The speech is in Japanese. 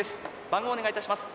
番号お願いいたします。